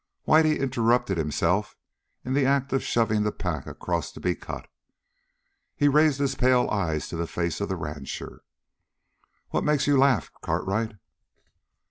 Whitey interrupted himself in the act of shoving the pack across to be cut. He raised his pale eyes to the face of the rancher. "What makes you laugh, Cartwright?"